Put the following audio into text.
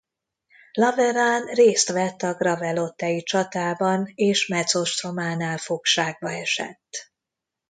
Laveran részt vett a gravelotte-i csatában és Metz ostrománál fogságba esett.